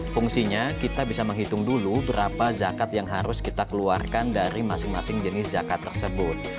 fungsinya kita bisa menghitung dulu berapa zakat yang harus kita keluarkan dari masing masing jenis zakat tersebut